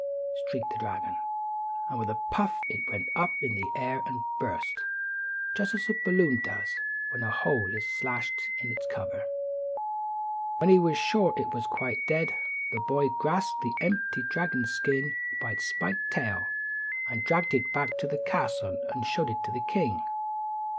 shrieked the dragon; and with a puff it went up in the air and burst, just as a balloon does when a hole is slashed in its cover. The fierce old dragon was nothing but skin and air! When he was sure it was quite dead, the boy grasped the empty dragon skin by its spiked tail, and dragged it back to the castle and showed it to the king.